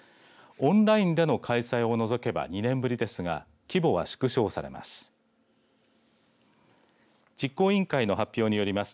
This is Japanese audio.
オンラインでの開催を除けば２年ぶりですが規模は縮小されます。